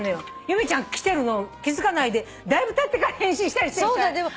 由美ちゃん来てるの気付かないでだいぶたってから返信したりしてるでしょ。